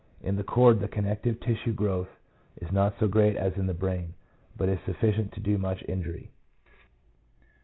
In the cord the connective tissue growth is not so great as in the brain, but is sufficient to do much injury.